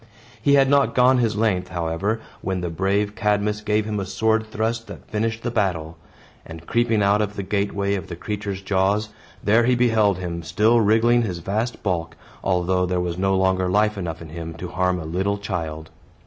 He had not gone his length, however, when the brave Cadmus gave him a sword thrust that finished the battle; and creeping out of the gateway of the creature's jaws, there he beheld him still wriggling his vast bulk, although there was no longer life enough in him to harm a little child.